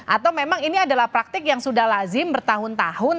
atau memang ini adalah praktik yang sudah lazim bertahun tahun